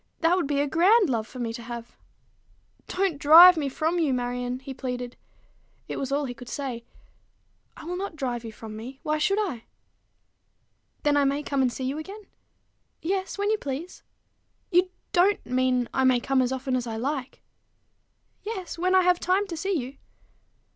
That would be a grand love for me to have." "Don't drive me from you, Marion," he pleaded. It was all he could say. "I will not drive you from me. Why should I?" "Then I may come and see you again?" "Yes: when you please." "You don't mean I may come as often as I like?" "Yes when I have time to see you."